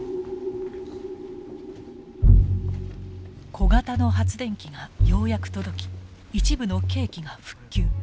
小型の発電機がようやく届き一部の計器が復旧。